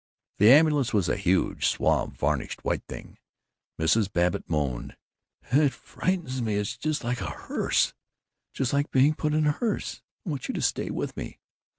The ambulance was a huge, suave, varnished, white thing. Mrs. Babbitt moaned, "It frightens me. It's just like a hearse, just like being put in a hearse. I want you to stay with me."